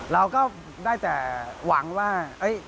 เราก็ได้แต่หวังว่า